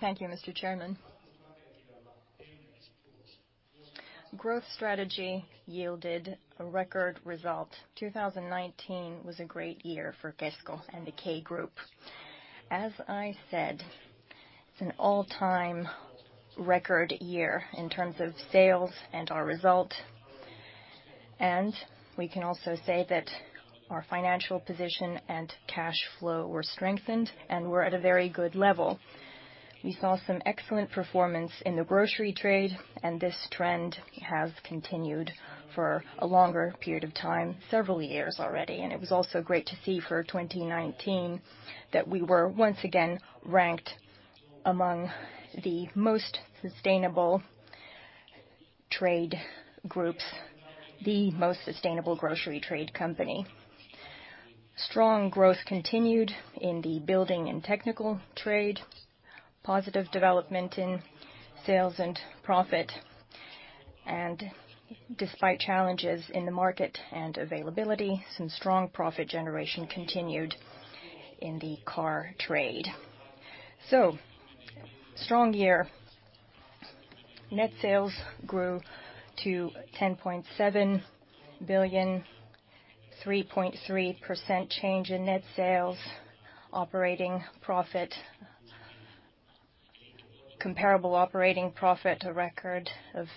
Thank you, Mr. Chairman. Growth strategy yielded a record result. 2019 was a great year for Kesko and the K Group. As I said, it's an all-time record year in terms of sales and our result, and we can also say that our financial position and cash flow were strengthened, and we're at a very good level. We saw some excellent performance in the grocery trade, and this trend has continued for a longer period of time, several years already, and it was also great to see for 2019 that we were once again ranked among the most sustainable trade groups, the most sustainable grocery trade company. Strong growth continued in the building and technical trade, positive development in sales and profit, and despite challenges in the market and availability, some strong profit generation continued in the car trade. Strong year. Net sales grew to 10.7 billion, 3.3% change in net sales. Operating profit. Comparable operating profit, a record of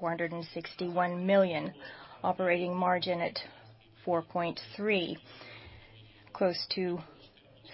461 million. Operating margin at 4.3%. Close to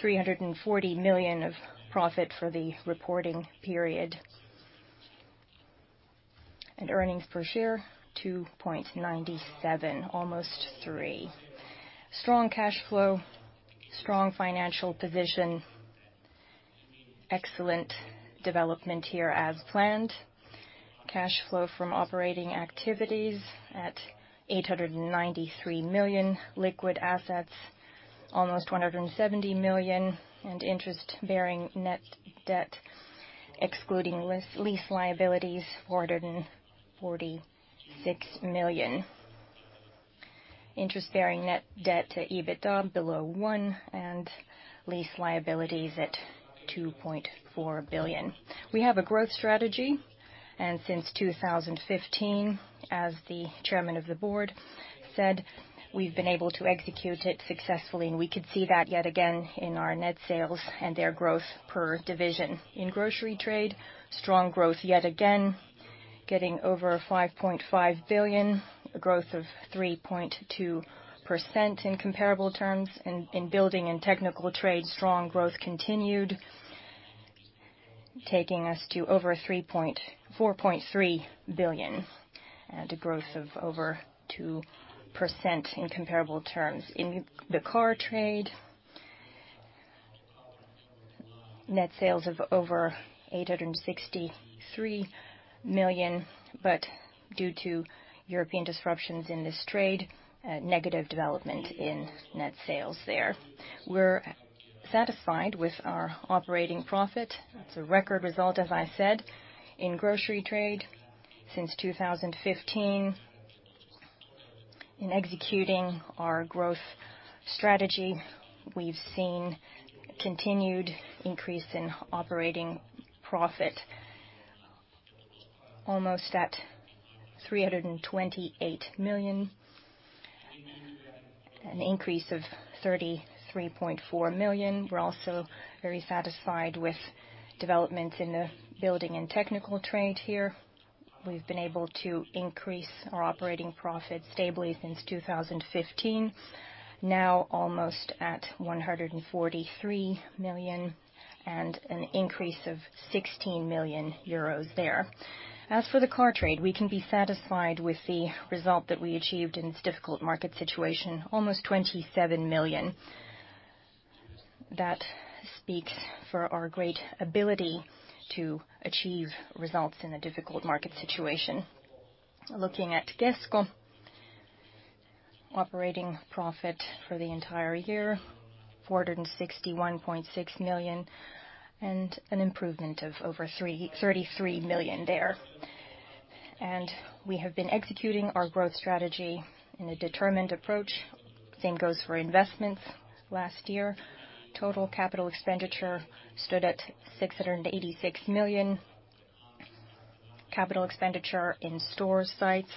340 million of profit for the reporting period. Earnings per share, 2.97, almost three. Strong cash flow, strong financial position, excellent development here as planned. Cash flow from operating activities at 893 million. Liquid assets, almost 170 million, and interest-bearing net debt, excluding lease liabilities, 446 million. Interest-bearing net debt to EBITDA below one, and lease liabilities at 2.4 billion. We have a growth strategy, and since 2015, as the chairman of the board said, we've been able to execute it successfully, and we could see that yet again in our net sales and their growth per division. In grocery trade, strong growth yet again, getting over 5.5 billion, a growth of 3.2% in comparable terms. In building and technical trade, strong growth continued, taking us to over 4.3 billion and a growth of over 2% in comparable terms. In the car trade, net sales of over 863 million, due to European disruptions in this trade, a negative development in net sales there. We're satisfied with our operating profit. It's a record result, as I said. In grocery trade since 2015, in executing our growth strategy, we've seen continued increase in operating profit almost at 328 million. An increase of 33.4 million. We're also very satisfied with developments in the building and technical trade here. We've been able to increase our operating profit stably since 2015, now almost at 143 million, and an increase of 16 million euros there. As for the car trade, we can be satisfied with the result that we achieved in this difficult market situation, almost 27 million. That speaks for our great ability to achieve results in a difficult market situation. Looking at Kesko, operating profit for the entire year, 461.6 million, and an improvement of over 333 million there. We have been executing our growth strategy in a determined approach. Same goes for investments. Last year, total capital expenditure stood at 686 million. Capital expenditure in store sites,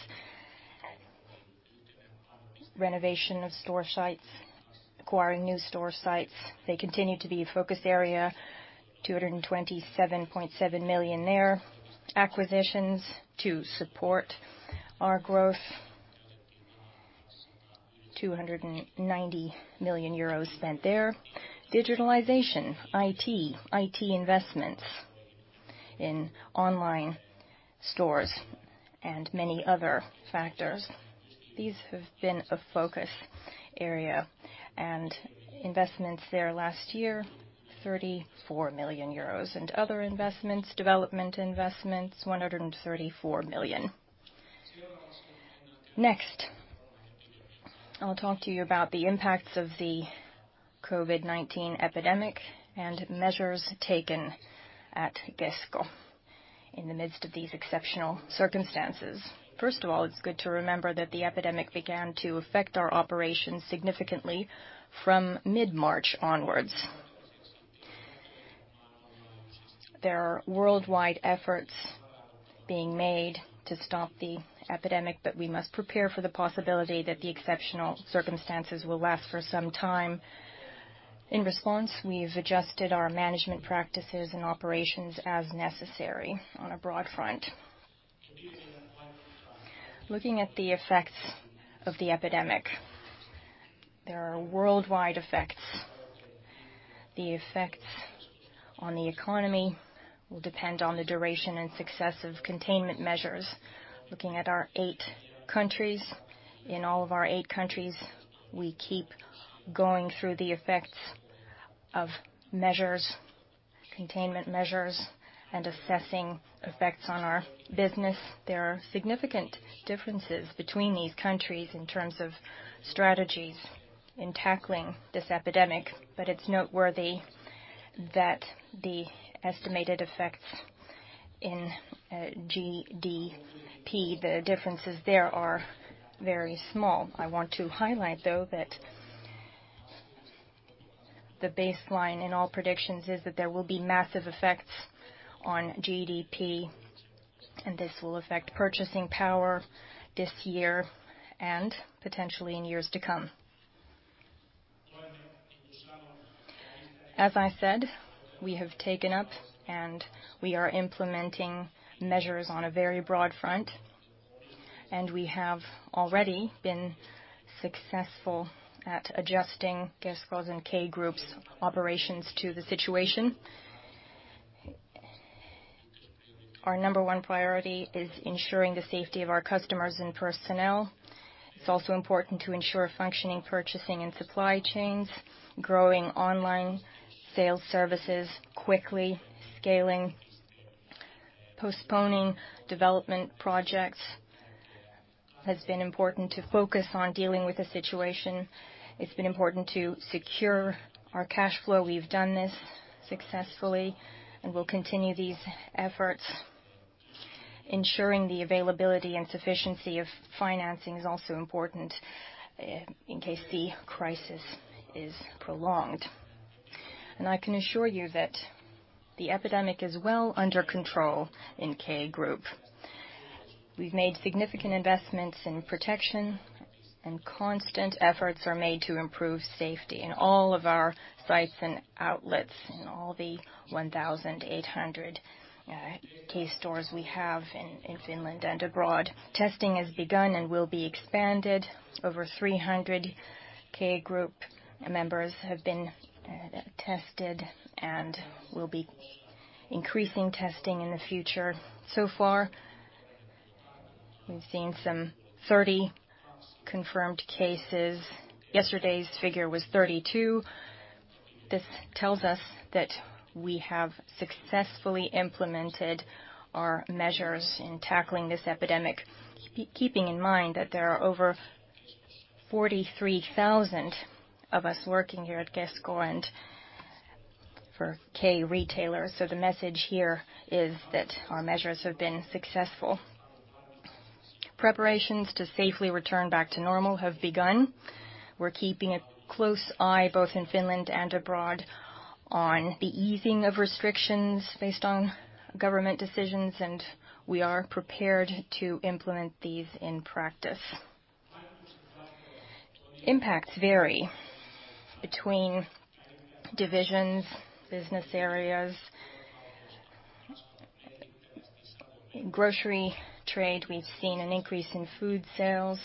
renovation of store sites, acquiring new store sites, they continue to be a focus area, 227.7 million there. Acquisitions to support our growth, 290 million euros spent there. Digitalization, IT investments in online stores and many other factors. These have been a focus area, and investments there last year, 34 million euros. Other investments, development investments, 134 million. Next, I'll talk to you about the impacts of the COVID-19 epidemic and measures taken at Kesko, in the midst of these exceptional circumstances. First of all, it's good to remember that the epidemic began to affect our operations significantly from mid-March onwards. There are worldwide efforts being made to stop the epidemic, but we must prepare for the possibility that the exceptional circumstances will last for some time. In response, we've adjusted our management practices and operations as necessary on a broad front. Looking at the effects of the epidemic, there are worldwide effects. The effects on the economy will depend on the duration and success of containment measures. Looking at our eight countries, in all of our eight countries, we keep going through the effects of measures, containment measures, and assessing effects on our business. There are significant differences between these countries in terms of strategies in tackling this epidemic, but it's noteworthy that the estimated effects in GDP, the differences there are very small. I want to highlight though, that the baseline in all predictions is that there will be massive effects on GDP, and this will affect purchasing power this year and potentially in years to come. As I said, we have taken up and we are implementing measures on a very broad front, and we have already been successful at adjusting Kesko's and K Group's operations to the situation. Our number one priority is ensuring the safety of our customers and personnel. It's also important to ensure functioning, purchasing, and supply chains, growing online sales services quickly, scaling, postponing development projects has been important to focus on dealing with the situation. It's been important to secure our cash flow. We've done this successfully and will continue these efforts. Ensuring the availability and sufficiency of financing is also important in case the crisis is prolonged. I can assure you that the epidemic is well under control in K Group. We've made significant investments in protection, and constant efforts are made to improve safety in all of our sites and outlets in all the 1,800 K stores we have in Finland and abroad. Testing has begun and will be expanded. Over 300 K Group members have been tested, and we'll be increasing testing in the future. Far, we've seen some 30 confirmed cases. Yesterday's figure was 32. This tells us that we have successfully implemented our measures in tackling this epidemic. Keeping in mind that there are over 43,000 of us working here at Kesko and for K-retailer. The message here is that our measures have been successful. Preparations to safely return back to normal have begun. We're keeping a close eye, both in Finland and abroad, on the easing of restrictions based on government decisions, and we are prepared to implement these in practice. Impacts vary between divisions, business areas. In grocery trade, we've seen an increase in food sales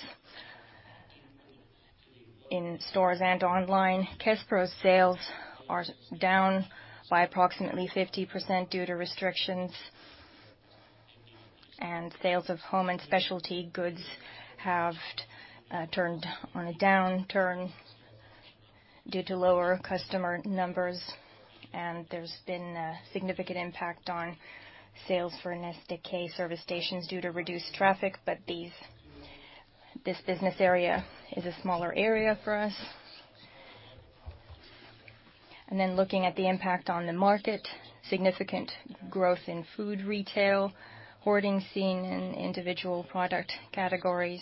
in stores and online. Kespro sales are down by approximately 50% due to restrictions, and sales of home and specialty goods have turned on a downturn due to lower customer numbers, and there's been a significant impact on sales for Neste K service stations due to reduced traffic. This business area is a smaller area for us. Looking at the impact on the market, significant growth in food retail, hoarding seen in individual product categories.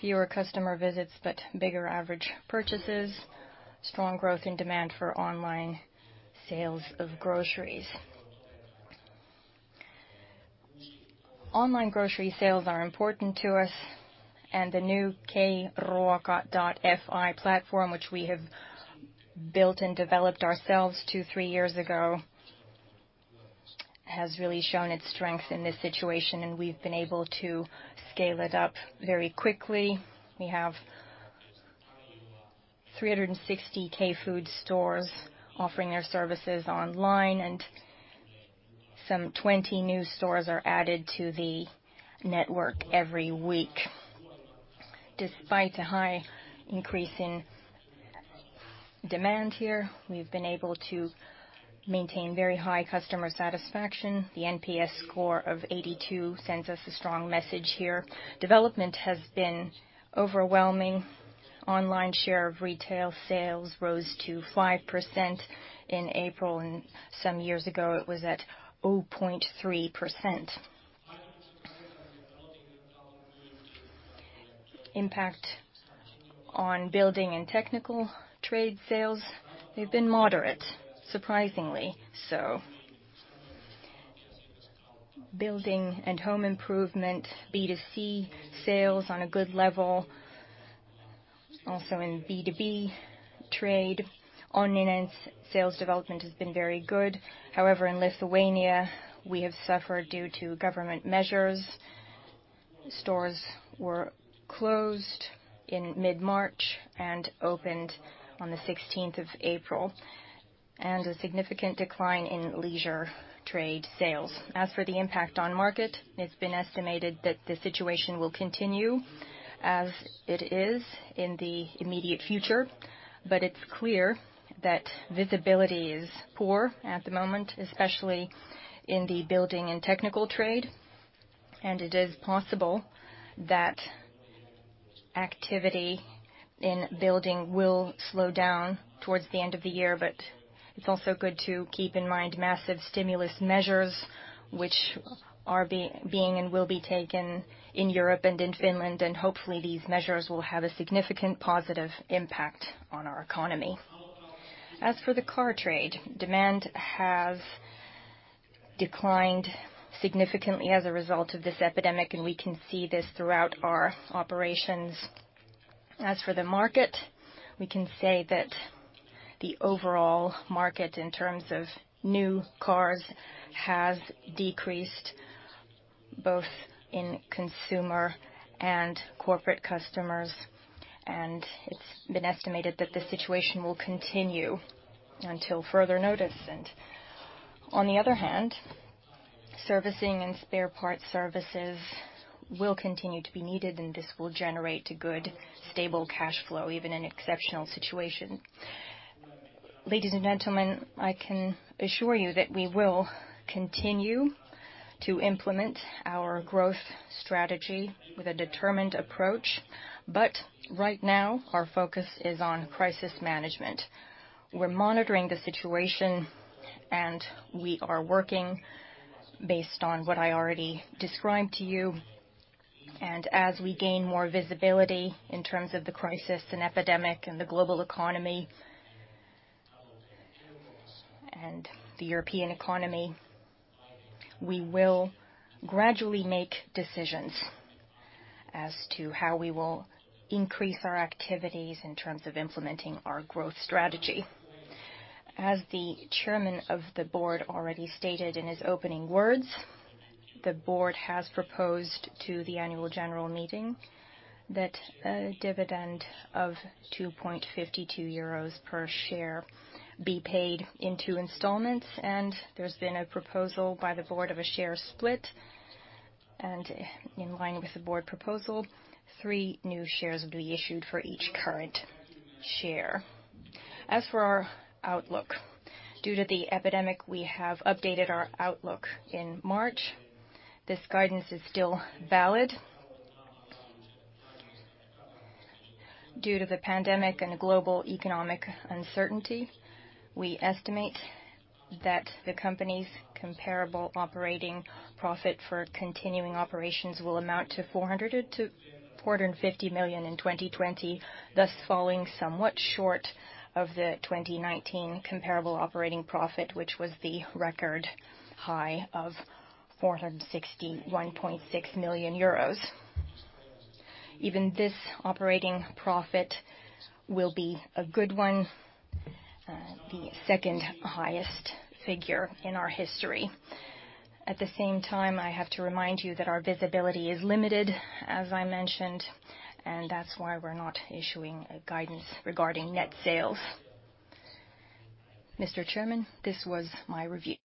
Fewer customer visits, but bigger average purchases, strong growth in demand for online sales of groceries. Online grocery sales are important to us, the new K-Ruoka.fi platform, which we have built and developed ourselves two, three years ago, has really shown its strength in this situation, and we've been able to scale it up very quickly. We have 360 K food stores offering their services online, and some 20 new stores are added to the network every week. Despite a high increase in demand here, we've been able to maintain very high customer satisfaction. The NPS score of 82 sends us a strong message here. Development has been overwhelming. Online share of retail sales rose to 5% in April, and some years ago it was at 0.3%. Impact on building and technical trade sales, they've been moderate, surprisingly so. Building and home improvement, B2C sales on a good level. Also in B2B trade, Onninen sales development has been very good. However, in Lithuania, we have suffered due to government measures. Stores were closed in mid-March and opened on the 16th of April, and a significant decline in leisure trade sales. As for the impact on market, it's been estimated that the situation will continue as it is in the immediate future, but it's clear that visibility is poor at the moment, especially in the building and technical trade. It is possible that activity in building will slow down towards the end of the year, but it's also good to keep in mind massive stimulus measures which are being, and will be taken in Europe and in Finland, and hopefully these measures will have a significant positive impact on our economy. As for the car trade, demand has declined significantly as a result of this epidemic, and we can see this throughout our operations. As for the market, we can say that the overall market in terms of new cars has decreased both in consumer and corporate customers, and it's been estimated that this situation will continue until further notice. On the other hand, servicing and spare parts services will continue to be needed, and this will generate a good, stable cash flow, even in exceptional situation. Ladies and gentlemen, I can assure you that we will continue to implement our growth strategy with a determined approach. Right now, our focus is on crisis management. We're monitoring the situation, and we are working based on what I already described to you. As we gain more visibility in terms of the crisis and epidemic and the global economy, and the European economy, we will gradually make decisions as to how we will increase our activities in terms of implementing our growth strategy. As the chairman of the board already stated in his opening words, the board has proposed to the annual general meeting that a dividend of 2.52 euros per share be paid in two installments. There's been a proposal by the board of a share split. In line with the board proposal, three new shares will be issued for each current share. As for our outlook, due to the epidemic, we have updated our outlook in March. This guidance is still valid. Due to the pandemic and global economic uncertainty, we estimate that the company's comparable operating profit for continuing operations will amount to 400 million-450 million in 2020, thus falling somewhat short of the 2019 comparable operating profit, which was the record high of 461.6 million euros. Even this operating profit will be a good one, the second highest figure in our history. At the same time, I have to remind you that our visibility is limited, as I mentioned, and that's why we're not issuing a guidance regarding net sales. Mr. Chairman, this was my review.